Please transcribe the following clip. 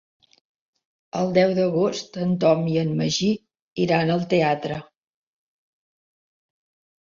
El deu d'agost en Tom i en Magí iran al teatre.